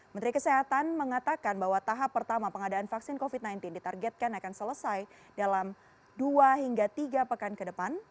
menteri kesehatan mengatakan bahwa tahap pertama pengadaan vaksin covid sembilan belas ditargetkan akan selesai dalam dua hingga tiga pekan ke depan